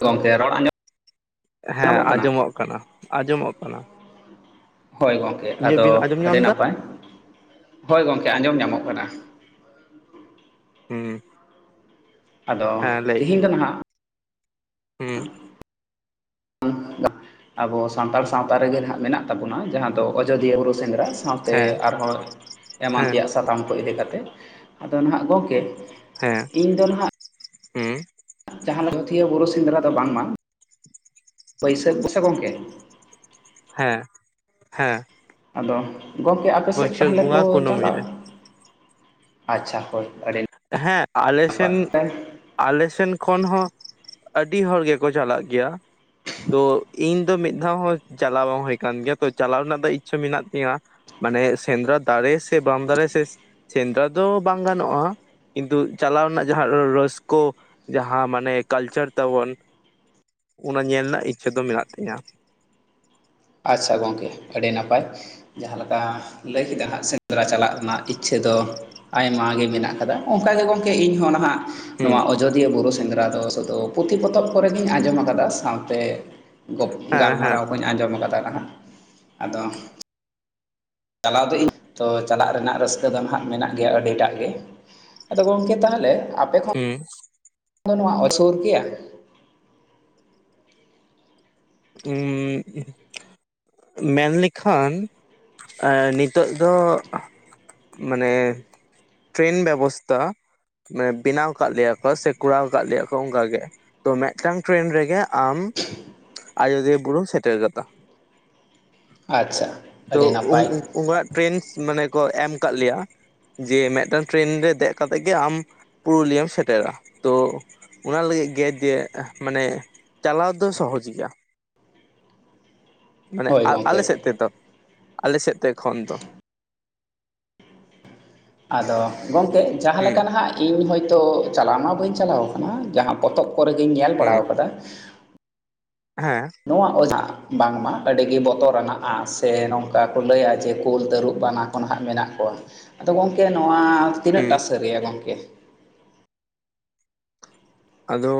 ᱜᱚᱝᱠᱮ ᱨᱚᱲ ᱟᱸᱡᱚᱢ ᱦᱮᱸ ᱟᱸᱡᱚᱢᱚᱜ ᱠᱟᱱᱟ ᱟᱸᱡᱚᱢᱚᱜ ᱠᱟᱱᱟ᱾ ᱦᱳᱭ ᱜᱚᱝᱠᱮ ᱤᱧᱟᱹᱜ ᱟᱫᱚ ᱵᱤᱱ ᱟᱸᱡᱚᱢ ᱟᱹᱰᱤ ᱧᱟᱢ ᱮᱫᱟ ᱱᱟᱯᱟᱭ, ᱦᱳᱭ ᱜᱚᱝᱠᱮ ᱟᱸᱡᱚᱢ ᱧᱟᱢᱚᱜ ᱠᱟᱱᱟ᱾ ᱦᱩᱸ ᱟᱫᱚ ᱦᱮᱸ ᱞᱟᱹᱭ ᱛᱤᱦᱤᱧ ᱵᱤᱱ ᱫᱚ ᱱᱟᱦᱟᱜ ᱦᱩᱸ ᱟᱵᱚ ᱥᱟᱱᱛᱟᱲ ᱥᱟᱶᱛᱟ ᱨᱮᱜᱮ ᱦᱟᱸᱜ ᱢᱮᱱᱟᱜ ᱛᱟᱵᱚᱱᱟ ᱡᱟᱦᱟᱸ ᱫᱚ ᱟᱡᱚᱫᱤᱭᱟᱹ ᱵᱩᱨᱩ ᱥᱮᱸᱫᱽᱨᱟ ᱾ ᱥᱟᱶᱛᱮ ᱦᱮᱸ ᱟᱨᱦᱚᱸ ᱮᱢᱟᱱ ᱦᱮᱸ ᱛᱮᱭᱟᱜ ᱥᱟᱛᱟᱢ ᱠᱚ ᱤᱫᱤ ᱠᱟᱛᱮ ᱟᱫᱚ ᱱᱟᱦᱟᱜ ᱜᱚᱢᱠᱮ ᱦᱮᱸ ᱦᱩᱸ ᱡᱟᱦᱟᱸ ᱟᱡᱚᱛᱤᱭᱟᱹ ᱵᱩᱨᱩ ᱥᱮᱸᱫᱽᱨᱟ ᱫᱚ ᱵᱟᱝᱢᱟ ᱵᱟᱹᱭᱥᱟᱹᱠᱷ ᱥᱮ ᱜᱚᱝᱠᱮ ᱦᱮᱸ ᱦᱮᱸ ᱟᱫᱚ ᱜᱚᱢᱠᱮ ᱟᱯᱮ ᱥᱮᱫ ᱵᱟᱹᱭᱥᱟᱹᱠᱷ ᱛᱟᱦᱚᱞᱮ ᱠᱚ ᱵᱚᱸᱜᱟ ᱠᱩᱱᱟᱹᱢᱤ ᱨᱮ ᱪᱟᱞᱟᱜᱼᱟ, ᱟᱪᱪᱷᱟ ᱦᱳᱭ ᱾ ᱦᱮᱸ ᱟᱞᱮ ᱥᱮᱱ ᱟᱞᱮ ᱥᱮᱱ ᱠᱷᱚᱱ ᱦᱚᱸ ᱟᱹᱰᱤ ᱦᱚᱲ ᱜᱮᱠᱚ ᱪᱟᱞᱟᱜ ᱜᱮᱭᱟ ᱾ ᱛᱚ ᱤᱧ ᱫᱚ ᱢᱤᱫ ᱫᱷᱟᱣ ᱦᱚᱸ ᱪᱟᱞᱟᱣ ᱵᱟᱝ ᱦᱳᱭ ᱠᱟᱱ ᱜᱮᱭᱟ ᱛᱚ ᱪᱟᱞᱟᱣ ᱨᱮᱱᱟᱜ ᱫᱚ ᱤᱪᱪᱷᱟᱹ ᱢᱮᱱᱟᱜ ᱛᱤᱧᱟᱹ ᱾ ᱢᱟᱱᱮ ᱥᱮᱸᱫᱽᱨᱟ ᱫᱟᱨᱮ ᱥᱮ ᱵᱟᱝ ᱫᱟᱨᱮ ᱥᱮ ᱥᱮᱸᱫᱽᱨᱟ ᱫᱚ ᱵᱟᱝ ᱜᱟᱱᱚᱜᱼᱟ, ᱠᱤᱱᱛᱩ ᱪᱟᱞᱟᱣ ᱨᱮᱱᱟᱜ ᱡᱟᱦᱟᱸ ᱨᱳᱹᱥᱠᱟᱹ ᱡᱟᱦᱟᱸ ᱢᱟᱱᱮ ᱠᱟᱞᱪᱟᱨ ᱛᱟᱵᱚᱱ᱾ ᱚᱱᱟ ᱧᱮᱞ ᱨᱮᱱᱟᱜ ᱤᱪᱪᱷᱟᱹ ᱫᱚ ᱢᱮᱱᱟᱜ ᱛᱤᱧᱟ᱾ ᱟᱪᱪᱷᱟ ᱜᱚᱢᱠᱮ ᱟᱹᱰᱤ ᱱᱟᱯᱟᱭ ᱾ ᱡᱟᱦᱟᱸ ᱞᱮᱠᱟ ᱞᱟᱹᱭ ᱠᱮᱫᱟ ᱦᱟᱸᱜ ᱥᱮᱸᱫᱽᱨᱟ ᱪᱟᱞᱟᱜ ᱨᱮᱱᱟᱜ ᱤᱪᱪᱷᱟᱹ ᱫᱚ ᱟᱭᱢᱟ ᱜᱮ ᱢᱮᱱᱟᱜ ᱠᱟᱫᱟ, ᱚᱱᱠᱟ ᱜᱮ ᱜᱚᱝᱠᱮ ᱤᱧ ᱦᱚᱸ ᱱᱟᱦᱟᱜ ᱦᱮᱸ ᱱᱚᱣᱟ ᱟᱡᱚᱫᱤᱭᱟᱹ ᱵᱩᱨᱩ ᱥᱮᱸᱫᱽᱨᱟ ᱫᱚ ᱥᱩᱫᱩ ᱯᱩᱛᱷᱤ ᱯᱚᱛᱚᱵ ᱠᱚᱨᱮ ᱜᱤᱧ ᱟᱸᱡᱚᱢ ᱠᱟᱫᱟ ᱥᱟᱶᱛᱮ ᱦᱮᱸ ᱜᱟᱞᱢᱟᱨᱟᱣ ᱠᱚᱧ ᱟᱸᱡᱚᱢ ᱠᱟᱫᱟ ᱱᱟᱦᱟᱜ ᱟᱫᱚ ᱪᱟᱞᱟᱣ ᱫᱚ ᱤᱧ ᱛᱚ ᱪᱟᱞᱟᱜ ᱨᱮᱱᱟᱜ ᱨᱟᱹᱥᱠᱟᱹ ᱫᱚ ᱦᱟᱜ ᱢᱮᱱᱟᱜ ᱜᱮᱭᱟ ᱟᱹᱰᱤᱴᱟᱜ ᱜᱮ ᱾ ᱟᱫᱚ ᱜᱚᱝᱠᱮ ᱛᱟᱦᱚᱞᱮ ᱟᱯᱮ [inaudible] ᱦᱩᱸ [unintelligible] ᱱᱚᱣᱟ ᱟᱥᱳᱨ ᱜᱮᱭᱟ ᱩᱸᱻ ᱢᱮᱱ ᱞᱮᱠᱷᱟᱱ ᱱᱤᱛᱚᱜ ᱫᱚ ᱢᱟᱱᱮ ᱴᱨᱮᱱ ᱵᱮᱵᱚᱥᱛᱟ, [unintelligible] ᱵᱮᱱᱟᱣ ᱠᱟᱜ ᱞᱮᱭᱟ ᱠᱚ ᱥᱮ ᱠᱚᱨᱟᱣ ᱠᱟᱜ ᱞᱮᱭᱟ ᱠᱚ ᱚᱱᱠᱟ ᱜᱮ ᱾ ᱛᱚ ᱢᱤᱫᱴᱟᱝ ᱴᱨᱮᱱ ᱨᱮᱜᱮ ᱟᱢ ᱟᱡᱚᱫᱤᱭᱟᱹ ᱵᱩᱨᱩᱢ ᱥᱮᱴᱮᱨ ᱜᱚᱫᱟ ᱟᱪᱪᱷᱟ [inaudible] ᱛᱚ ᱟᱹᱰᱤ ᱩᱱ ᱱᱟᱯᱟᱭ ᱩᱱᱠᱟᱱᱟᱜ ᱴᱨᱮᱱ ᱢᱟᱱᱮ ᱠᱚ ᱮᱢ ᱠᱟᱜ ᱞᱮᱭᱟ ᱡᱮ ᱢᱤᱫᱴᱟᱝ ᱴᱨᱮᱱ ᱨᱮ ᱫᱮᱡ ᱠᱟᱛᱮᱜ ᱜᱮ ᱟᱢ ᱯᱩᱨᱩᱞᱤᱭᱟᱹᱢ ᱥᱮᱴᱮᱨᱟ ᱛᱚ ᱚᱱᱟ ᱞᱟᱹᱜᱤᱫ ᱜᱮ ᱫᱤᱭᱮ ᱢᱟᱱᱮ ᱪᱟᱞᱟᱣ ᱫᱚ ᱥᱚᱦᱚᱡ ᱜᱮᱭᱟ ᱢᱟᱱᱮ ᱦᱳᱭ ᱟᱞᱮ ᱜᱚᱝᱠᱮ ᱥᱮᱫ ᱛᱮᱫᱚ ᱟᱞᱮ ᱥᱮᱫ ᱛᱮ ᱠᱷᱚᱱ ᱫᱚ ᱟᱫᱚ ᱜᱚᱝᱠᱮ ᱡᱟᱦᱟᱸ ᱦᱮᱸ ᱞᱮᱠᱟ ᱱᱟᱦᱟᱜ ᱤᱧ ᱦᱚᱭᱛᱚ ᱪᱟᱞᱟᱣ ᱢᱟ ᱵᱟᱹᱧ ᱪᱟᱞᱟᱣ ᱠᱟᱱᱟ ᱡᱟᱦᱟᱸ ᱯᱚᱛᱚᱵ ᱠᱚᱨᱮ ᱜᱤᱧ ᱧᱮᱞ ᱦᱮᱸ ᱵᱟᱲᱟᱣ ᱠᱟᱫᱟ ᱦᱮᱸ ᱱᱚᱣᱟ [unintelligible] ᱵᱟᱝᱢᱟ ᱟᱹᱰᱤ ᱜᱮ ᱵᱚᱛᱚᱨᱟᱱᱟᱜᱼᱟ ᱥᱮ ᱱᱚᱝᱠᱟ ᱠᱚ ᱞᱟᱹᱭᱟ ᱡᱮ ᱠᱩᱞ, ᱛᱟᱹᱨᱩᱵ, ᱵᱟᱱᱟ ᱠᱚ ᱱᱟᱦᱟᱜ ᱢᱮᱱᱟᱜ ᱠᱚᱣᱟ, ᱟᱫᱚ ᱜᱚᱝᱠᱮ ᱱᱚᱣᱟ ᱛᱤᱱᱟᱹᱜ ᱴᱟ ᱦᱩᱸ ᱥᱟᱹᱨᱤᱭᱟ ᱜᱚᱝᱠᱮ ᱟᱫᱚ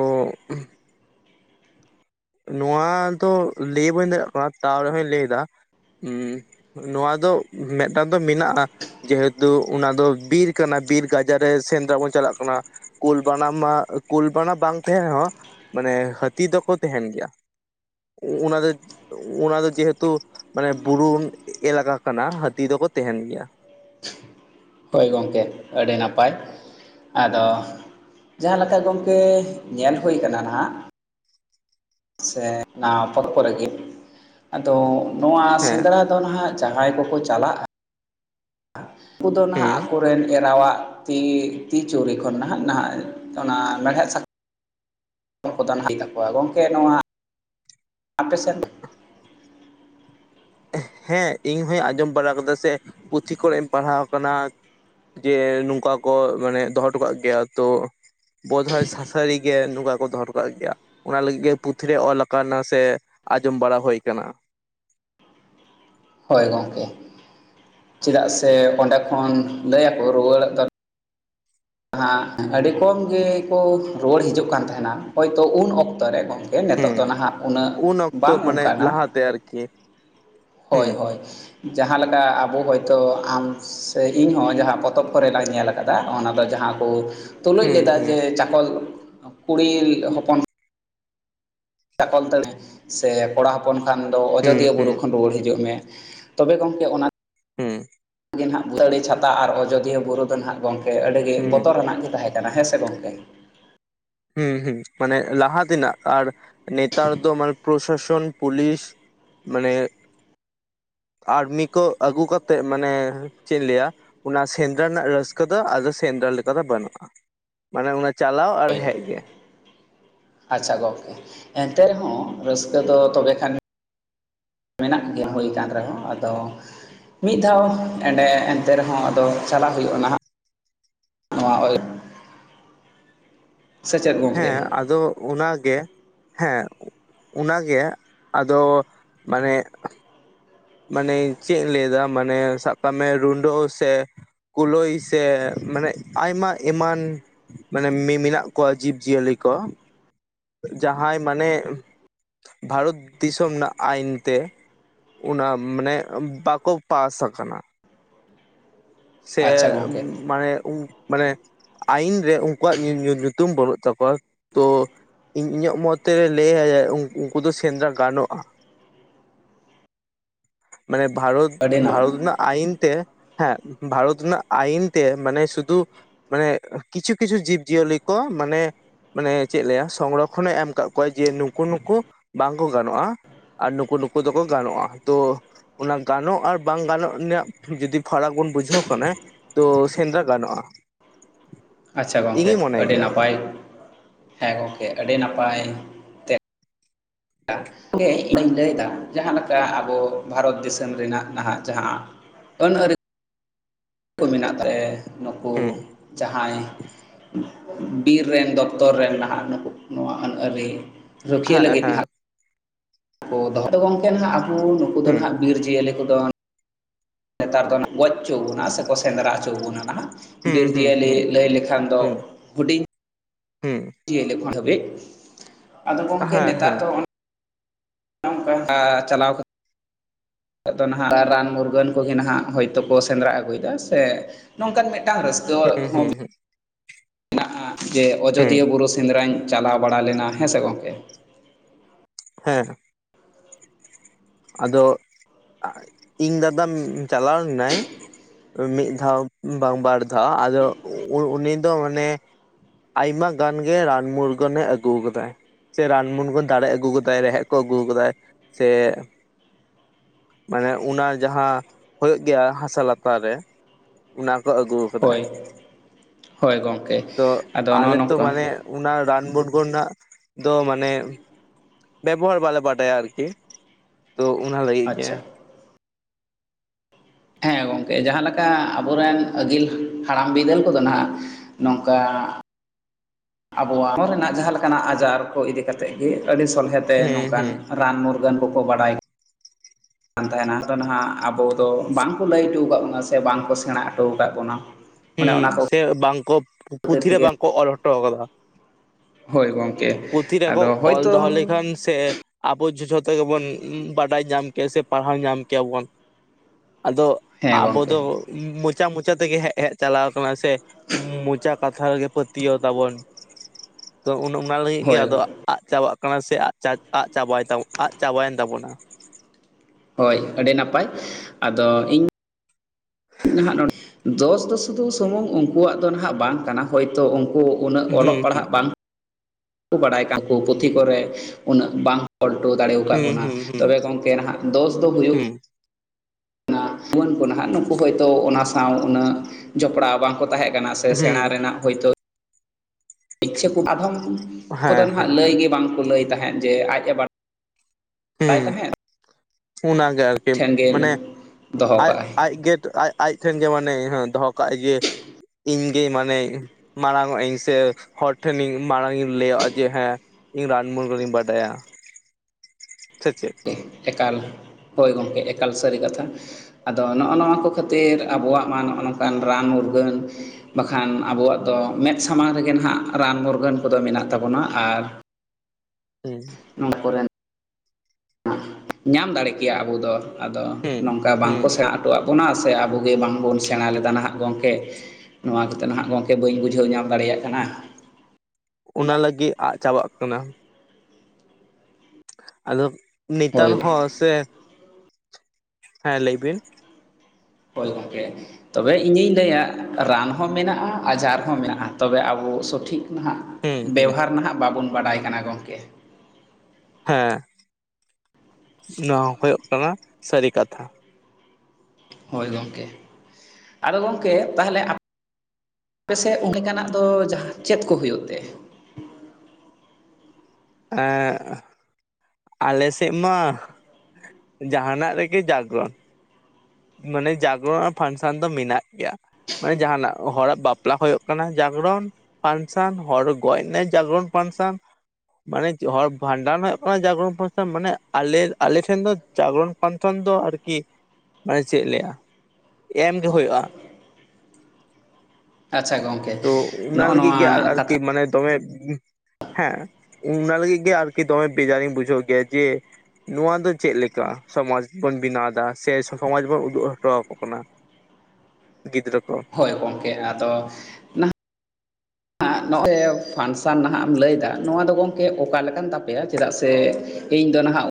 ᱱᱚᱣᱟ ᱫᱚ ᱞᱟᱹᱭ ᱵᱟᱹᱧ ᱫᱟᱲᱮᱭᱟᱜ ᱠᱟᱱᱟ ᱛᱟᱣ ᱨᱮᱦᱚᱧ ᱞᱟᱹᱭ ᱫᱟ ᱱᱚᱣᱟ ᱫᱚ ᱢᱤᱫᱴᱟᱝ ᱫᱚ ᱢᱮᱱᱟᱜᱼᱟ ᱡᱮᱦᱩᱛᱩ ᱚᱱᱟ ᱫᱚ ᱵᱤᱨ ᱠᱟᱱᱟ ᱵᱤᱨ ᱜᱟᱡᱟᱲᱮ ᱥᱮᱸᱫᱽᱨᱟ ᱵᱚᱱ ᱪᱟᱞᱟᱜ ᱠᱟᱱᱟ ᱠᱩᱞ ᱵᱟᱱᱟ ᱢᱟ ᱠᱩᱞ ᱵᱟᱱᱟ ᱵᱟᱝ ᱛᱟᱦᱮᱱ ᱨᱮᱦᱚᱸ ᱢᱟᱱᱮ ᱦᱟᱹᱛᱤ ᱫᱚᱠᱚ ᱛᱟᱦᱮᱱ ᱜᱮᱭᱟ ᱚᱱᱟ ᱫᱚ ᱚᱱᱟ ᱫᱚ ᱡᱮᱦᱩᱛᱩ ᱢᱟᱱᱮ ᱵᱩᱨᱩ ᱮᱞᱟᱠᱟ ᱠᱟᱱᱟ, ᱦᱟᱹᱛᱤ ᱫᱚᱠᱚ ᱛᱟᱦᱮᱱ ᱜᱮᱭᱟ ᱦᱳᱭ ᱜᱚᱝᱠᱮ ᱟᱹᱰᱤ ᱱᱟᱯᱟᱭ ᱟᱫᱚ ᱡᱟᱦᱟᱸ ᱞᱮᱠᱟ ᱜᱚᱝᱠᱮ ᱧᱮᱞ ᱦᱳᱭ ᱠᱟᱱᱟ ᱱᱟᱦᱟᱜ ᱥᱮ ᱚᱱᱟ [unintelligible] ᱠᱚᱨᱮ ᱜᱮ ᱟᱫᱚ ᱱᱚᱣᱟ ᱦᱮᱸ ᱥᱮᱸᱫᱽᱨᱟ ᱫᱚ ᱱᱟᱦᱟᱜ ᱡᱟᱦᱟᱸᱭ ᱠᱚᱠᱚ ᱪᱟᱞᱟᱜᱼᱟ ᱩᱱᱠᱩ ᱫᱚ ᱱᱟᱦᱟᱜ ᱦᱩᱸ ᱟᱠᱚᱨᱮᱱ ᱮᱨᱟᱣᱟᱜ ᱛᱤ ᱪᱩᱲᱤ ᱠᱷᱚᱱ ᱱᱟᱦᱟᱜ ᱱᱟᱦᱟᱜ ᱚᱱᱟ ᱢᱮᱲᱦᱮᱫ ᱥᱟᱠᱚᱢ [unintelligible] ᱦᱩᱭᱩᱜ ᱛᱟᱠᱚᱣᱟ ᱜᱚᱝᱠᱮ ᱱᱚᱣᱟ ᱟᱯᱮᱥᱮᱫ ᱦᱮᱸ ᱤᱧ ᱦᱚᱧ ᱟᱸᱡᱚᱢ ᱵᱟᱲᱟ ᱠᱟᱫᱟ ᱥᱮ ᱯᱩᱛᱷᱤ ᱠᱚᱨᱮᱜ ᱤᱧ ᱯᱟᱲᱦᱟᱣ ᱟᱠᱟᱱᱟ ᱡᱮ ᱱᱚᱝᱠᱟ ᱠᱚ ᱢᱟᱱᱮ ᱫᱚᱦᱚ ᱦᱚᱴᱚ ᱠᱟᱜ ᱜᱮᱭᱟ ᱛᱚ ᱵᱚᱫᱷᱚᱦᱚᱭ ᱥᱟᱹᱨᱤ ᱜᱮ ᱱᱚᱝᱠᱟ ᱠᱚ ᱫᱚᱦᱚ ᱴᱚᱠᱟᱜ ᱜᱮᱭᱟ ᱚᱱᱟ ᱞᱟᱹᱜᱤᱫ ᱜᱮ ᱯᱩᱛᱷᱤ ᱨᱮ ᱚᱞ ᱟᱠᱟᱱᱟ ᱥᱮ ᱟᱸᱡᱚᱢ ᱵᱟᱲᱟ ᱦᱳᱭ ᱠᱟᱱᱟ ᱦᱳᱭ ᱜᱚᱝᱠᱮ ᱪᱮᱫᱟᱜ ᱥᱮ ᱚᱸᱰᱮ ᱠᱷᱚᱱ ᱞᱟᱹᱭᱟᱠᱚ ᱨᱩᱣᱟᱹᱲ ᱠᱟ ᱡᱟᱦᱟᱸ ᱟᱹᱰᱤ ᱠᱚᱢ ᱜᱮᱠᱚ ᱨᱩᱣᱟᱹᱲ ᱦᱤᱡᱩᱜ ᱠᱟᱱ ᱛᱟᱦᱮᱱᱟ ᱦᱚᱭᱛᱚ ᱩᱱ ᱚᱠᱛᱚ ᱨᱮ ᱜᱚᱝᱠᱮ ᱱᱤᱛᱚᱜ ᱦᱩᱸ ᱫᱚ ᱱᱟᱦᱟᱜ ᱩᱱᱟᱹᱜ ᱩᱱ ᱚᱠᱛᱚ ᱵᱟᱝ ᱢᱟᱱᱮ ᱚᱱᱠᱟᱱᱟ ᱞᱟᱦᱟᱛᱮ ᱟᱨᱠᱤ ᱦᱳᱭ ᱦᱩᱸ ᱦᱳᱭ ᱡᱟᱦᱟᱸ ᱞᱮᱠᱟ ᱟᱵᱚ ᱦᱚᱭᱛᱚ ᱟᱢ ᱥᱮ ᱤᱧᱦᱚᱸ ᱡᱟᱦᱟᱸ ᱯᱚᱛᱚᱵ ᱠᱚᱨᱮ ᱞᱟᱝ ᱧᱮᱞ ᱟᱠᱟᱫᱟ ᱚᱱᱟ ᱡᱟᱦᱟᱸ ᱠᱚ ᱛᱩᱞᱩᱡ ᱦᱩᱸ ᱞᱮᱫᱟ ᱦᱩᱸ ᱡᱮ ᱪᱟᱠᱚᱞ ᱠᱩᱲᱤ ᱦᱚᱯᱚᱱ ᱪᱟᱠᱚᱞᱛᱟᱹᱲᱤ, ᱥᱮ ᱠᱚᱲᱟ ᱦᱚᱯᱚᱱ ᱠᱷᱟᱱ ᱫᱚ ᱦᱩᱸ ᱟᱡᱳᱫᱤᱭᱟᱹ ᱦᱩᱸ ᱵᱩᱨᱩ ᱠᱷᱚᱱ ᱨᱩᱣᱟᱹᱲ ᱦᱤᱡᱩᱜ ᱢᱮ ᱛᱚᱵᱮ ᱜᱚᱝᱠᱮ ᱚᱱᱟ ᱦᱩᱸ [unintelligible] ᱪᱟᱞᱚᱠᱛᱟᱹᱲᱤ ᱪᱷᱟᱛᱟ ᱟᱨ ᱟᱡᱚᱫᱤᱭᱟᱹ ᱵᱩᱨᱩ ᱫᱚ ᱱᱟᱜ ᱜᱚᱝᱠᱮ ᱟᱹᱰᱤ ᱜᱮ ᱦᱩᱸ ᱵᱚᱛᱚᱨᱟᱱᱟᱜ ᱜᱮ ᱛᱟᱦᱮᱸ ᱠᱟᱱᱟ ᱦᱮᱸ ᱥᱮ ᱜᱚᱝᱠᱮ ᱦᱩᱸ ᱦᱩᱸ ᱢᱟᱱᱮ ᱞᱟᱦᱟ ᱛᱮᱱᱟᱜ ᱟᱨ ᱱᱮᱛᱟᱨ ᱫᱚ ᱢᱟᱱᱮ ᱯᱨᱚᱥᱟᱥᱚᱱ ᱯᱩᱞᱤᱥ ᱢᱟᱱᱮ ᱟᱨᱢᱤ ᱠᱚ ᱟᱹᱜᱩ ᱠᱟᱛᱮᱫ ᱢᱟᱱᱮ ᱪᱮᱫ ᱤᱧ ᱞᱟᱹᱭᱟ ᱚᱱᱟ ᱥᱮᱸᱫᱽᱨᱟ ᱨᱮᱱᱟᱜ ᱨᱟᱹᱥᱠᱟᱹ ᱫᱚ ᱟᱫᱚ ᱥᱮᱸᱫᱽᱨᱟ ᱞᱮᱠᱟ ᱫᱚ ᱵᱟᱹᱱᱩᱜᱼᱟ ᱢᱟᱱᱮ ᱚᱱᱟ ᱪᱟᱞᱟᱣ ᱟᱨ ᱦᱮᱡ [unintelligible] ᱟᱪᱪᱷᱟ ᱜᱚᱝᱠᱮ ᱮᱱᱛᱮ ᱨᱮᱦᱚᱸ ᱨᱟᱹᱥᱠᱟᱹ ᱫᱚ ᱛᱚᱵᱮ ᱠᱷᱟᱱ ᱢᱮᱱᱟᱜ ᱜᱮᱭᱟ ᱦᱩᱭ ᱟᱠᱟᱱ ᱨᱮᱦᱚᱸ ᱟᱫᱚ ᱢᱤᱫ ᱫᱷᱟᱣ ᱮᱱᱰᱮ ᱮᱱᱛᱮ ᱨᱮᱦᱚᱸ ᱟᱫᱚ ᱪᱟᱞᱟᱜ ᱦᱩᱭᱩᱜᱼᱟ ᱱᱟᱦᱟᱜ ᱱᱚᱣᱟ ᱳᱭ ᱪᱮᱫ ᱦᱮᱸ ᱜᱚᱢᱠᱮ ᱟᱫᱚ ᱚᱱᱟᱜᱮ ᱦᱮᱸ ᱚᱱᱟᱜᱮ ᱟᱫᱚ ᱢᱟᱱᱮ ᱢᱟᱱᱮ ᱪᱮᱫ ᱤᱧ ᱞᱟᱹᱭ ᱮᱫᱟ ᱢᱟᱱᱮ ᱥᱟᱵ ᱠᱟᱜ ᱢᱮ ᱨᱩᱰᱟᱹ ᱦᱚᱸ ᱥᱮ ᱠᱩᱞᱟᱹᱭ ᱥᱮ ᱢᱟᱱᱮ ᱟᱭᱢᱟ ᱮᱢᱟᱱ ᱢᱟᱱᱮ ᱢᱮᱱᱟᱜ ᱠᱚᱣᱟ ᱡᱤᱵ ᱡᱤᱭᱟᱹᱞᱤ ᱠᱚ ᱡᱟᱦᱟᱸᱭ ᱢᱟᱱᱮ ᱵᱷᱟᱨᱚᱛ ᱫᱤᱥᱚᱢ ᱨᱮᱱᱟᱜ ᱟᱹᱭᱤᱱ ᱛᱮ ᱚᱱᱟ ᱢᱟᱱᱮ ᱵᱟᱠᱚ ᱯᱟᱥ ᱟᱠᱟᱱᱟ ᱥᱮ ᱟᱪᱪᱷᱟ ᱜᱚᱢᱠᱮ ᱢᱟᱱᱮ ᱢᱟᱱᱮ ᱟᱹᱭᱤᱱ ᱨᱮ ᱩᱱᱠᱩᱣᱟᱜ ᱧᱩᱛᱩᱢ ᱵᱟᱹᱱᱩᱜ ᱛᱟᱠᱚᱣᱟ ᱛᱚ ᱤᱧ ᱤᱧᱟᱹᱜ ᱢᱚᱛ ᱨᱮ ᱞᱟᱹᱭᱟᱭ ᱩᱱᱠᱩ ᱫᱚ ᱥᱮᱸᱫᱽᱨᱟ ᱜᱟᱱᱚᱜ-ᱟ ᱢᱟᱱᱮ ᱵᱷᱟᱨᱚᱛ ᱟᱹᱰᱤ ᱱᱟᱯ ᱵᱷᱟᱨᱚᱛ ᱨᱮᱱᱟᱜ ᱟᱹᱭᱤᱱ ᱛᱮ ᱦᱮᱸ ᱵᱷᱟᱨᱚᱛ ᱨᱮᱱᱟᱜ ᱟᱭᱤᱱ ᱛᱮ ᱢᱟᱱᱮ ᱥᱩᱫᱩ ᱢᱟᱱᱮ ᱠᱤᱪᱷᱩ ᱠᱤᱪᱷᱩ ᱡᱤᱵᱽᱡᱤᱭᱟᱹᱞᱤ ᱠᱚ ᱢᱟᱱᱮ ᱢᱟᱱᱮ ᱪᱮᱫ ᱞᱟᱹᱭᱟ ᱥᱚᱝᱨᱚᱠᱷᱚᱱᱮ ᱮᱢ ᱟᱠᱟᱫ ᱠᱚᱣᱟ ᱡᱮ ᱱᱩᱠᱩ ᱱᱩᱠᱩ ᱵᱟᱝᱠᱚ ᱜᱟᱱᱚᱜ-ᱟ ᱟᱨ ᱱᱩᱠᱩ ᱱᱩᱠᱩ ᱫᱚᱠᱚ ᱜᱟᱱᱚᱜ-ᱟ ᱛᱚ ᱚᱱᱟ ᱜᱟᱱᱚᱜ ᱟᱨ ᱵᱟᱝ ᱜᱟᱱᱚᱜ ᱨᱮᱱᱟᱜ ᱡᱩᱫᱤ ᱯᱷᱟᱨᱟᱠ ᱵᱚᱱ ᱵᱩᱡᱷᱟᱹᱣ ᱠᱷᱟᱱᱮ ᱛᱚ ᱥᱮᱸᱫᱽᱨᱟ ᱜᱟᱱᱚᱜ-ᱟ ᱟᱪᱪᱷᱟ ᱜᱚᱝᱠᱮ ᱟᱹᱰᱤ ᱱᱟᱯᱟᱭ ᱦᱮᱸ ᱜᱚᱝᱠᱮ ᱟᱹᱰᱤ ᱱᱟᱯᱟᱭ ᱛᱮ ᱜᱚᱝᱠᱮ ᱤᱧ ᱞᱟᱹᱭᱫᱟ ᱡᱟᱦᱟᱸ ᱞᱮᱠᱟ ᱟᱵᱚ ᱵᱷᱟᱨᱚᱛ ᱫᱤᱥᱚᱢ ᱨᱮᱱᱟᱜ ᱱᱟᱦᱟᱜ ᱡᱟᱦᱟᱸ ᱟᱹᱱ ᱟᱹᱨᱤ ᱠᱚ ᱢᱮᱱᱟᱜ ᱛᱟᱭᱟᱞᱮ ᱱᱩᱠᱩ ᱦᱩᱸ ᱡᱟᱦᱟᱸᱭ ᱵᱤᱨ ᱨᱮᱱ ᱫᱚᱯᱛᱚᱨ ᱨᱮᱱ ᱱᱟᱦᱟᱜ ᱱᱩᱠᱩ ᱱᱚᱣᱟ ᱟᱹᱱ-ᱟᱹᱨᱤ ᱨᱩᱠᱷᱤᱭᱟᱹ ᱞᱟᱹᱜᱤᱫ ᱦᱮᱸ ᱦᱟᱜ ᱟᱫᱚ ᱜᱚᱝᱠᱮ ᱦᱟᱸᱜ ᱟᱵᱚ ᱱᱩᱠᱩ ᱫᱚ ᱦᱮᱸ ᱱᱟᱦᱟᱜ ᱵᱤᱨ ᱡᱤᱭᱟᱹᱞᱤ ᱠᱚᱫᱚ ᱱᱮᱛᱟᱨ ᱫᱚ ᱜᱚᱡᱽ ᱚᱪᱚ ᱵᱚᱱᱟ ᱥᱮᱠᱚ ᱥᱮᱸᱫᱽᱨᱟ ᱚᱪᱚ ᱵᱚᱱᱟ ᱱᱟᱦᱟᱜ ᱦᱩᱸ ᱵᱤᱨ ᱦᱩᱸ ᱦᱩᱸ ᱡᱤᱭᱟᱹᱞᱤ ᱦᱩᱸ ᱞᱟᱹᱭ ᱞᱮᱠᱷᱟᱱ ᱫᱚ ᱦᱩᱸ ᱦᱩᱰᱤᱧ ᱦᱩᱸ ᱡᱤᱭᱟᱹᱞᱤ ᱠᱚ ᱦᱟᱹᱵᱤᱡ ᱟᱫᱚ ᱜᱚᱝᱠᱮ ᱦᱮᱸ ᱱᱮᱛᱟᱨ ᱦᱮᱸ ᱫᱚ ᱦᱟ ᱪᱟᱞᱟᱣ ᱠᱟᱛᱮ ᱟᱫᱚ ᱱᱟᱦᱟᱜ ᱨᱟᱱ ᱢᱩᱨᱜᱟᱹᱱ ᱠᱚᱜᱮ ᱱᱟᱦᱟᱜ ᱦᱳᱭᱛᱳ ᱠᱚ ᱥᱮᱸᱫᱽᱨᱟ ᱟᱹᱜᱩᱭᱮᱫᱟ ᱥᱮ ᱱᱚᱝᱠᱟᱱ ᱢᱤᱫᱴᱟᱝ ᱨᱟᱹᱥᱠᱟᱹᱜ ᱦᱩᱸ ᱦᱚᱸ ᱦᱩᱸ ᱟᱹᱜ ᱡᱮ ᱦᱩᱸ ᱟᱡᱚᱫᱤᱭᱟᱹ ᱵᱩᱨᱩ ᱥᱮᱸᱫᱽᱨᱟᱧ ᱪᱟᱞᱟᱣ ᱵᱟᱲᱟ ᱞᱮᱱᱟ ᱦᱮᱸ ᱥᱮ ᱜᱚᱝᱠᱮ ᱦᱮᱸ ᱦᱮᱸ ᱟᱫᱚ ᱤᱧ ᱫᱟᱫᱟᱢ ᱪᱟᱞᱟᱣᱱᱟᱭ ᱢᱤᱫ ᱫᱷᱟᱣ ᱵᱟᱝ ᱵᱟᱨ ᱫᱷᱟᱣ ᱟᱫᱚ ᱩ-ᱩᱱᱤ ᱫᱚ ᱢᱟᱱᱮ ᱟᱭᱢᱟ ᱜᱟᱱ ᱜᱮ ᱨᱟᱱ ᱢᱩᱨᱜᱟᱹᱱᱮ ᱟᱹᱜᱩ ᱠᱟᱫᱟᱭ ᱥᱮ ᱨᱟᱱ ᱢᱩᱱᱜᱟᱹᱱ ᱫᱟᱲᱮ ᱟᱹᱜᱩ ᱠᱟᱫᱟᱭ ᱨᱮᱦᱮᱜ ᱠᱚ ᱟᱹᱜᱩ ᱠᱟᱫᱟᱭ ᱥᱮ ᱢᱟᱱᱮ ᱚᱱᱟ ᱡᱟᱦᱟᱸ ᱦᱚᱭᱳᱜ ᱜᱮᱭᱟ ᱦᱟᱥᱟ ᱞᱟᱛᱟᱨ ᱨᱮ ᱚᱱᱟ ᱠᱚ ᱟᱹᱜᱩ ᱠᱟᱫᱟᱭ, ᱦᱳᱭ ᱦᱳᱭ ᱜᱚᱝᱠᱮ ᱛᱚ ᱟᱫᱚ ᱱᱚᱜᱼᱚ ᱟᱞᱮ ᱛᱚ ᱱᱚᱝᱠᱟ ᱢᱟᱱᱮ ᱚᱱᱟ ᱨᱟᱱ ᱢᱩᱨᱜᱚᱱ ᱱᱟᱜ ᱫᱚ ᱢᱟᱱᱮ ᱵᱮᱵᱚᱦᱟᱨ ᱵᱟᱞᱮ ᱵᱟᱰᱟᱭᱟ ᱟᱨᱠᱤ ᱛᱚ ᱚᱱᱟ ᱞᱟᱹᱜᱤᱫ ᱜᱮ ᱟᱪᱪᱷᱟ ᱦᱮᱸ ᱜᱚᱝᱠᱮ ᱡᱟᱦᱟᱸ ᱞᱮᱠᱟ ᱟᱵᱚᱨᱮᱱ ᱟᱹᱜᱤᱞ ᱦᱟᱲᱟᱢ ᱵᱤᱫᱟᱹᱞ ᱠᱚᱫᱚ ᱱᱟᱦᱟᱜ ᱱᱚᱝᱠᱟ ᱟᱵᱚᱣᱟᱜ ᱨᱮᱱᱟᱜ ᱡᱟᱦᱟᱸ ᱞᱮᱠᱟᱱᱟᱜ ᱟᱡᱟᱨ ᱠᱚ ᱤᱫᱤ ᱠᱟᱛᱮ ᱛᱮᱦᱮᱫ ᱟᱹᱰᱤ ᱥᱚᱞᱦᱮᱛᱮ ᱦᱮᱸ ᱱᱚᱝᱠᱟᱱ ᱦᱮᱸ ᱨᱟᱱ ᱢᱩᱨᱜᱟᱹᱱ ᱠᱚᱠᱚ ᱵᱟᱲᱟᱭ ᱠᱟᱱ ᱛᱟᱦᱮᱱᱟ ᱟᱫᱚ ᱱᱟᱦᱟᱜ ᱟᱵᱚ ᱫᱚ ᱵᱟᱝᱠᱚ ᱞᱟᱹᱭ ᱴᱩ ᱠᱟᱜ ᱵᱚᱱᱟ ᱥᱮ ᱵᱟᱝᱠᱚ ᱥᱮᱬᱟ ᱴᱩ ᱠᱟᱜ ᱵᱚᱱᱟ ᱚᱱᱮ ᱚᱱᱟ ᱦᱩᱸ ᱠᱚ ᱥᱮ ᱵᱟᱝᱠᱚ ᱠᱷᱟᱹᱛᱤᱨ ᱯᱩᱛᱷᱤ ᱨᱮ ᱛᱮᱜᱮ ᱵᱟᱝ ᱠᱚ ᱚᱞ ᱦᱚᱴᱚ ᱠᱟᱫᱟ ᱦᱳᱭ ᱜᱚᱝᱠᱮ ᱯᱩᱛᱷᱤ ᱨᱮᱠᱚ ᱚᱞ ᱫᱚᱦᱚ ᱞᱮᱠᱷᱟᱱ ᱥᱮ ᱟᱵᱚ ᱡᱷᱚᱛᱚ ᱜᱮᱵᱚᱱ ᱵᱟᱰᱟᱭ ᱧᱟᱢ ᱠᱮᱭᱟ ᱥᱮ ᱯᱟᱲᱦᱟᱣ ᱧᱟᱢ ᱠᱮᱭᱟᱵᱚᱱ ᱟᱫᱚ ᱦᱮᱸ ᱟᱵᱚ ᱜᱚᱢᱠᱮ ᱫᱚ ᱢᱚᱪᱟ ᱢᱚᱪᱟ ᱛᱮᱜᱮ ᱦᱮᱜ ᱦᱮᱜ ᱪᱟᱞᱟᱣ ᱠᱟᱱᱟ ᱥᱮ ᱢᱚᱪᱟ ᱠᱟᱛᱷᱟ ᱨᱮᱜᱮ ᱯᱟᱹᱛᱭᱟᱹᱣ ᱛᱟᱵᱚᱱ ᱛᱚ ᱩᱱᱟᱹᱜ ᱚᱱᱟ ᱞᱟᱹᱜᱤᱜ ᱜᱮ ᱦᱳᱭ ᱟᱫᱚ ᱟᱜ ᱪᱟᱵᱟᱜ ᱠᱟᱱᱟ ᱥᱮ ᱟᱜ ᱪᱟᱪ ᱟᱜ ᱪᱟᱵᱟᱭ ᱛᱟᱢ ᱟᱜ ᱪᱟᱵᱟᱭᱮᱱ ᱛᱟᱵᱚᱱᱟ ᱦᱳᱭ ᱟᱹᱰᱤ ᱱᱟᱯᱟᱭ ᱟᱫᱚ ᱤᱧ ᱤᱧ ᱱᱟᱦᱟᱜ ᱱᱚᱸᱰᱮ ᱫᱚᱥ ᱫᱚ ᱥᱩᱫᱩ ᱥᱚᱢᱚᱝ ᱩᱱᱠᱩᱣᱟᱜ ᱫᱚ ᱱᱟᱦᱟᱜ ᱵᱟᱝ ᱠᱟᱱᱟ᱾ ᱦᱚᱭᱛᱚ ᱩᱝᱠᱩ ᱩᱱᱟᱹᱜ ᱚᱞᱚᱜ ᱦᱩᱸ ᱯᱟᱲᱦᱟᱜ ᱵᱟᱝ ᱵᱟᱲᱟᱭ ᱠᱟᱱ ᱩᱱᱠᱩ ᱯᱩᱛᱷᱤ ᱠᱚᱨᱮ ᱩᱱᱟᱹᱜ ᱵᱟᱝ ᱚᱞᱴᱚ ᱫᱟᱲᱮᱣ ᱠᱟᱜ ᱦᱩᱸ ᱵᱚᱱᱟ ᱦᱩᱸ ᱦᱩᱸ ᱛᱚᱵᱮ ᱜᱚᱝᱠᱮ ᱱᱟᱦᱟᱜ ᱫᱚᱥ ᱫᱚ ᱦᱩᱭᱩᱜ ᱦᱩᱸ ᱱᱟᱸᱜ ᱡᱩᱣᱟᱹᱱ ᱠᱚ ᱱᱟᱦᱟᱜ ᱱᱩᱠᱩ ᱦᱚᱭᱛᱚ ᱚᱱᱟ ᱥᱟᱶ ᱩᱱᱟᱹᱜ ᱡᱚᱯᱲᱟᱣ ᱵᱟᱝ ᱛᱟᱦᱮᱸ ᱠᱟᱱᱟ ᱥᱮ ᱦᱩᱸ ᱥᱮᱬᱟ ᱦᱩᱸ ᱨᱮᱱᱟᱜ ᱦᱚᱭᱛᱚ ᱤᱪᱪᱷᱟᱹ ᱠᱚ ᱟᱫᱷᱚᱢ ᱠᱚᱫᱚ ᱦᱮᱸ ᱱᱟᱦᱟᱜ ᱦᱮᱸ ᱞᱟᱹᱭ ᱦᱮᱸ ᱜᱮ ᱵᱟᱝᱠᱚ ᱞᱟᱹᱭ ᱛᱟᱦᱮᱸᱫ ᱡᱮ ᱟᱡ ᱮ ᱵᱟ ᱦᱮᱸ ᱚᱱᱟᱜᱮ ᱟᱨᱠᱤ ᱴᱷᱮᱱ ᱜᱮ ᱢᱟᱱᱮ ᱫᱚᱦᱚ ᱟᱡ ᱠᱟᱜᱼᱟᱭ ᱟᱡᱜᱮᱛ ᱟᱡ ᱟᱡ ᱴᱷᱮᱱ ᱜᱮ ᱢᱟᱱᱮ ᱮᱦᱮᱸ ᱫᱚᱦᱚ ᱠᱟᱜ ᱜᱮᱡᱮ ᱤᱧ ᱜᱮ ᱢᱟᱱᱮ ᱢᱟᱲᱟᱝ ᱚᱜ ᱤᱧ ᱥᱮ ᱦᱚᱲ ᱴᱷᱮᱱᱤᱧ ᱢᱟᱲᱟᱝ ᱤᱧ ᱞᱮᱭᱚᱜᱼᱟ ᱡᱮ ᱦᱮᱸ ᱤᱧ ᱨᱟᱱ ᱢᱩᱨᱜᱟᱹᱱ ᱤᱧ ᱵᱟᱰᱟᱭᱟ ᱥᱮ ᱪᱮᱫ ᱮᱠᱟᱞ ᱦᱚᱭ ᱜᱚᱝᱠᱮ ᱮᱠᱟᱞ ᱥᱟᱹᱨᱤ ᱠᱟᱛᱷᱟ ᱟᱫᱚ ᱱᱚᱜᱼᱚ ᱱᱚᱣᱟ ᱠᱚ ᱠᱷᱟᱹᱛᱤᱨ ᱟᱵᱚᱣᱟᱜ ᱢᱟ ᱱᱚᱜᱼᱚ ᱱᱚᱝᱠᱟᱱ ᱨᱟᱱ ᱢᱩᱨᱜᱟᱹᱱ ᱵᱟᱠᱷᱟᱱ ᱟᱵᱚᱣᱟᱜ ᱫᱚ ᱢᱮᱫ ᱥᱟᱢᱟᱝ ᱨᱮᱜᱮ ᱱᱟᱦᱟᱸᱜ ᱨᱟᱱ ᱢᱩᱨᱜᱟᱹᱱ ᱠᱚᱫᱚ ᱢᱮᱱᱟᱜ ᱛᱟᱵᱚᱱᱟ ᱟᱨ ᱯᱮᱥ ᱱᱚᱣᱟ ᱠᱚᱨᱮᱱ ᱧᱟᱢ ᱫᱟᱲᱮ ᱠᱮᱭᱟ ᱟᱵᱚ ᱫᱚ ᱟᱫᱚ ᱦᱩᱸ ᱱᱚᱝᱠᱟ ᱦᱩᱸ ᱵᱟᱝᱠᱚ ᱥᱮᱬᱟ ᱚᱴᱚᱭᱟᱜ ᱵᱚᱱᱟ ᱥᱮ ᱟᱵᱚᱜᱮ ᱵᱟᱝᱵᱚᱱ ᱥᱮᱬᱟ ᱞᱮᱫᱟ ᱱᱟᱦᱟᱜ ᱜᱚᱝᱠᱮ ᱱᱚᱶᱟ ᱠᱚᱛᱮᱜ ᱱᱟᱦᱟᱜ ᱜᱚᱝᱠᱮ ᱵᱟᱹᱧ ᱵᱩᱡᱷᱟᱹᱣ ᱧᱟᱢ ᱫᱟᱲᱮᱭᱟᱜ ᱠᱟᱱᱟ ᱚᱱᱟ ᱞᱟᱹᱜᱤᱫ ᱟᱜ ᱪᱟᱵᱟᱜ ᱠᱟᱱᱟ᱾ ᱟᱫᱚ ᱱᱤᱛᱟᱨ ᱦᱳᱭ ᱦᱚᱸ ᱥᱮ ᱦᱮᱸ ᱞᱟᱹᱭ ᱵᱤᱱ ᱦᱚᱭ ᱜᱚᱝᱠᱮ ᱛᱚᱵᱮ ᱤᱧᱤᱧ ᱞᱟᱹᱭᱟ ᱨᱟᱱ ᱦᱚᱸ ᱢᱮᱱᱟᱜᱼᱟ ᱟᱡᱟᱨ ᱦᱚᱸ ᱢᱮᱱᱟᱜᱼᱟ ᱛᱚᱵᱮ ᱟᱵᱚ ᱥᱚᱴᱷᱤᱠ ᱱᱟᱦᱟᱜ ᱦᱩᱸ ᱦᱩᱸ ᱵᱮᱣᱦᱟᱨ ᱱᱟᱦᱟᱜ ᱵᱟᱵᱚᱱ ᱵᱟᱰᱟᱭ ᱠᱟᱱᱟ ᱜᱚᱝᱠᱮ᱾ ᱦᱮᱸ, ᱥᱤᱱᱟᱣ ᱦᱩᱭᱩᱜ ᱠᱟᱱᱟ ᱥᱟᱹᱨᱤ ᱠᱟᱛᱷᱟ᱾ ᱦᱚᱭ ᱜᱚᱝᱠᱮ ᱟᱫᱚ ᱜᱚᱝᱠᱮ ᱛᱟᱦᱞᱮ ᱟᱯ ᱟᱯᱮᱥᱮᱡ ᱚᱱᱠᱟᱱᱟᱜ ᱫᱚ ᱡᱟᱦᱟᱸ ᱪᱮᱫ ᱠᱚ ᱦᱩᱭᱩᱜ ᱛᱮ? ᱮᱸ ᱟᱞᱮ ᱥᱮᱫ ᱢᱟ ᱡᱟᱦᱟᱱᱟᱜ ᱨᱮᱜᱮ ᱡᱟᱜᱽᱨᱚᱱ᱾ ᱢᱟᱱᱮ ᱡᱟᱜᱽᱨᱚᱱ ᱟᱨ ᱯᱷᱟᱱᱥᱟᱱ ᱫᱚ ᱢᱮᱱᱟᱜ ᱜᱮᱭᱟ᱾ ᱢᱟᱱᱮ ᱡᱟᱦᱟᱱᱟᱜ ᱦᱚᱲᱟᱜ ᱵᱟᱯᱞᱟ ᱦᱩᱭᱩᱜ ᱠᱟᱱᱟ ᱡᱟᱜᱽᱨᱚᱱ᱾ ᱯᱷᱟᱱᱥᱟᱱ ᱦᱚᱲ ᱜᱚᱡ ᱮᱱᱟ ᱡᱟᱜᱨᱚᱱ ᱯᱷᱟᱱᱥᱟᱱ, ᱢᱟᱱᱮ ᱦᱚᱲ ᱵᱷᱟᱸᱰᱟᱱ ᱦᱩᱭᱩᱜ ᱠᱟᱱᱟ ᱡᱟᱜᱽᱨᱚᱱ ᱯᱟᱱᱥᱟᱱ ᱢᱟᱱᱮ ᱟᱞᱮ ᱟᱞᱮᱴᱷᱮᱱ ᱫᱚ ᱡᱟᱜᱽᱨᱚᱱ ᱯᱟᱱᱥᱟᱱ ᱫᱚ ᱟᱨᱠᱤ ᱢᱟᱱᱮ ᱪᱮᱫ ᱞᱮᱭᱟ ᱮᱢᱜᱮ ᱦᱩᱭᱩᱜᱼᱟ ᱟᱪᱪᱷᱟ ᱜᱚᱝ ᱛᱚ ᱚᱱᱟ ᱞᱟᱹᱜᱤᱜ ᱜᱮ ᱟᱨ ᱟᱨᱠᱤ ᱢᱟᱱᱮ ᱫᱚᱢᱮ ᱦᱮᱸ ᱚᱱᱟ ᱞᱟᱹᱜᱤᱫ ᱜᱮ ᱟᱨᱠᱤ ᱫᱚᱢᱮ ᱵᱮᱡᱟᱨᱤᱧ ᱵᱩᱡᱷᱟᱹᱣ ᱜᱮᱭᱟ ᱡᱮ ᱱᱚᱶᱟ ᱫᱚ ᱪᱮᱫ ᱞᱮᱠᱟ ᱥᱚᱢᱟᱡᱽ ᱵᱚᱱ ᱵᱮᱱᱟᱣ ᱮᱫᱟ ᱥᱮ ᱥᱚᱢᱟᱡᱽ ᱵᱚᱱ ᱩᱫᱩᱜ ᱚᱴᱚ ᱟᱠᱚ ᱠᱟᱱᱟ᱾ [unintelligible] ᱜᱤᱫᱽᱨᱟᱹ ᱠᱚ᱾ ᱦᱚᱭ ᱜᱚᱝᱠᱮ ᱟᱫᱚ ᱱᱟᱜ ᱟᱨ ᱱᱚᱜᱼᱚᱭ ᱯᱷᱟᱱᱥᱮᱱ ᱱᱟᱦᱟᱜ ᱮᱢ ᱞᱟᱹᱭ ᱮᱫᱟ ᱱᱚᱶᱟ ᱫᱚ ᱜᱚᱝᱠᱮ ᱚᱠᱟ ᱞᱮᱠᱟᱱ ᱛᱟᱯᱮᱭᱟ ᱪᱮᱫᱟᱜ ᱥᱮ ᱤᱧ ᱫᱚ ᱱᱟᱦᱟᱜ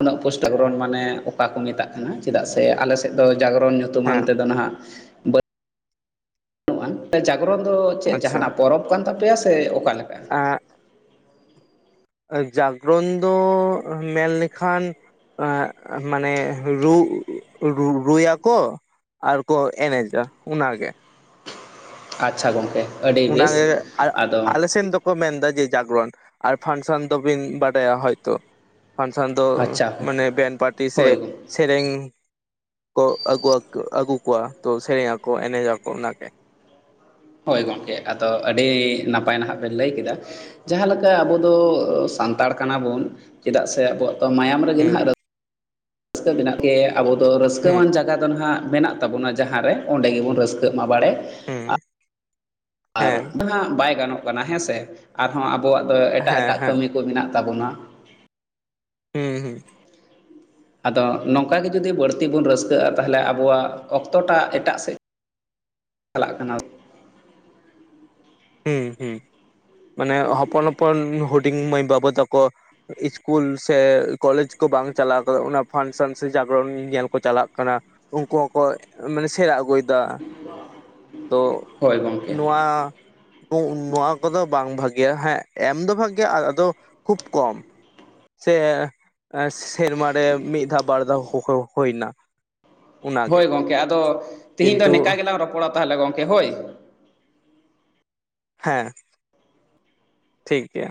ᱩᱱᱟᱹᱜ ᱯᱩᱥᱴᱟᱹ ᱡᱟᱜᱽᱨᱚᱱ ᱢᱟᱱᱮ ᱚᱠᱟ ᱠᱚ ᱢᱮᱛᱟᱜ ᱠᱟᱱᱟ ᱪᱮᱫᱟᱜ ᱥᱮ ᱟᱞᱮᱥᱮᱫ ᱫᱚ ᱡᱟᱜᱽᱨᱚᱱ ᱧᱩ ᱧᱩᱛᱩᱢᱟᱱ ᱦᱮᱸ ᱛᱮᱫᱚ ᱱᱟᱦᱟᱜ ᱡᱟᱜᱽᱨᱚᱱ ᱫᱚ ᱪᱮᱫ ᱟᱪᱪᱷᱟ ᱡᱟᱦᱱᱟᱜ ᱯᱚᱨᱚᱵᱽ ᱠᱟᱱ ᱛᱟᱯᱮᱭᱟ ᱥᱮ ᱚᱠᱟᱮ ᱞᱮᱠᱟ? ᱡᱟᱜᱽᱨᱚᱱ ᱫᱚ ᱢᱮᱱ ᱞᱮᱠᱷᱟᱱ ᱢᱟᱱᱮ ᱨᱩ ᱨᱩᱭᱟᱠᱚ, ᱟᱨ ᱠᱚ ᱮᱱᱮᱡᱟ ᱚᱱᱟ ᱜᱮ᱾ ᱟᱪᱪᱷᱟ ᱜᱚᱢᱠᱮ ᱟᱹᱰᱤ ᱵᱮᱥ ᱚᱱᱟᱜᱮ ᱟᱫᱚ ᱟᱞᱮᱥᱮᱱ ᱫᱚ, ᱠᱚ ᱢᱮᱱᱫᱟ ᱡᱮ ᱡᱟᱜᱽᱨᱚᱱ ᱟᱨ ᱯᱷᱟᱱᱥᱚᱱ ᱫᱚᱵᱤᱱ ᱵᱟᱰᱟᱭᱟ ᱦᱚᱭᱛᱚ᱾ ᱯᱷᱟᱱᱥᱚᱱ ᱫᱚ ᱟᱪᱪᱷᱟ ᱢᱟᱱᱮ ᱵᱮᱱᱴ ᱯᱟᱨᱴᱤ ᱥᱮ ᱦᱳᱭ ᱥᱮᱨᱮᱧ ᱠᱚ ᱟᱹᱜᱩᱣᱟ ᱟᱹᱜᱩ ᱠᱚᱣᱟ ᱛᱚ ᱥᱮᱨᱮᱧ ᱟᱠᱚ, ᱮᱱᱮᱡᱽ ᱟᱠᱚ ᱚᱱᱟ ᱜᱮ᱾ ᱦᱳᱭ ᱜᱚᱢᱠᱮ ᱟᱫᱚ ᱟᱹᱰᱤ ᱱᱟᱯᱟᱭ ᱱᱟᱦᱟᱜ ᱵᱮᱱ ᱞᱟᱹᱭ ᱠᱮᱫᱟ᱾ ᱡᱟᱦᱟᱸ ᱞᱮᱠᱟ ᱟᱵᱚ ᱫᱚ ᱥᱟᱱᱛᱟᱲ ᱠᱟᱱᱟᱵᱚᱱ ᱪᱮᱫᱟᱜ ᱥᱮ ᱟᱵᱚᱣᱟᱜ ᱛᱚ ᱢᱟᱭᱟᱢ ᱨᱮᱜᱮ ᱦᱩᱸ ᱦᱟᱸᱜ ᱨᱟᱹᱥᱠᱟᱹ ᱢᱮᱱᱟᱜ ᱜᱮ ᱟᱵᱚ ᱫᱚ ᱦᱩᱸ ᱨᱟᱹᱥᱠᱟᱹᱣᱟᱱ ᱡᱟᱭᱜᱟ ᱫᱚ ᱱᱟᱦᱟᱜ ᱢᱮᱱᱟᱜ ᱛᱟᱵᱚᱱᱟ ᱡᱟᱦᱟᱸ ᱨᱮ ᱚᱸᱰᱮ ᱜᱮᱵᱚᱱ ᱨᱟᱹᱥᱠᱟᱹᱜ ᱢᱟ ᱵᱟᱲᱮ᱾ ᱦᱩᱸ ᱟᱨ ᱦᱮᱸ ᱡᱟᱦᱟᱸ ᱵᱟᱭ ᱜᱟᱱᱚᱜ ᱠᱟᱱᱟ ᱦᱮᱸ ᱥᱮ ᱟᱨᱦᱚᱸ ᱟᱵᱚᱣᱟᱜ ᱫᱚ ᱮᱴᱟᱜ ᱦᱮᱸ ᱮᱴᱟᱜ ᱦᱮᱸ ᱠᱟᱹᱢᱤ, ᱠᱚ ᱢᱮᱱᱟᱜ ᱛᱟᱵᱚᱱᱟ᱾ ᱦᱩᱸ ᱦᱩᱸ ᱟᱫᱚ ᱱᱚᱝᱠᱟ ᱜᱮ ᱡᱩᱫᱤ ᱵᱟᱹᱲᱛᱤ ᱵᱚᱱ ᱨᱟᱹᱥᱠᱟᱹᱜᱼᱟ ᱛᱟᱦᱚᱞᱮ ᱟᱵᱚᱣᱟᱜ ᱚᱠᱛᱚᱴᱟ ᱮᱴᱟᱜ ᱥᱮᱫ ᱪᱟᱞᱟᱜ ᱠᱟᱱᱟ᱾ ᱦᱩᱸ ᱦᱩᱸ ᱢᱟᱱᱮ ᱦᱚᱯᱚᱱ ᱦᱚᱯᱚᱱ ᱦᱳᱰᱤᱝ ᱢᱟᱹᱭ ᱵᱟᱵᱩ ᱛᱟᱠᱚ ᱥᱠᱩᱞ ᱥᱮ ᱠᱚᱞᱮᱡᱽ ᱠᱚ ᱵᱟᱝ ᱪᱟᱞᱟᱣ ᱠᱟᱱᱟ ᱚᱱᱟ ᱯᱷᱟᱱᱥᱮᱱ ᱥᱮ ᱡᱟᱜᱽᱨᱚᱱ ᱧᱮᱞ ᱠᱚ ᱪᱟᱞᱟᱜ ᱠᱟᱱᱟ᱾ ᱩᱱᱠᱩ ᱦᱚᱸᱠᱚ ᱢᱟᱱᱮ ᱥᱮᱬᱟ ᱟᱹᱜᱩᱭᱮᱫᱟ᱾ ᱛᱚ ᱦᱳᱭ ᱜᱚᱢᱠᱮ ᱱᱚᱣᱟ, ᱱᱚᱣᱟ ᱠᱚᱫᱚ ᱵᱟᱝ ᱵᱷᱟᱜᱮᱭᱟ ᱦᱮᱸ ᱮᱢ ᱫᱚ ᱵᱷᱟᱜᱮᱭᱟ ᱟᱫᱚ ᱠᱷᱩᱵ ᱠᱚᱢ᱾ ᱥᱮ ᱥᱮᱨᱢᱟ ᱨᱮ ᱢᱤᱫ ᱫᱷᱟᱣ ᱵᱟᱨ ᱫᱷᱟᱣ ᱦᱩᱭ ᱮᱱᱟ᱾ ᱦᱳᱭ ᱜᱚᱝᱠᱮ ᱟᱫᱚ ᱛᱤᱦᱤᱧ ᱫᱚ ᱠᱤᱱᱛᱩ ᱱᱮᱝᱠᱟ ᱜᱮᱞᱟᱝ ᱨᱚᱯᱚᱲᱟ ᱛᱟᱦᱚᱞᱮ ᱜᱚᱢᱠᱮ ᱦᱳᱭ᱾ ᱦᱮᱸ ᱴᱷᱤᱠ ᱜᱮᱭᱟ᱾